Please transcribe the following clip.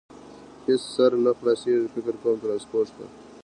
هېڅ سر نه خلاصېږي، فکر کوم، ترانسپورټ ته.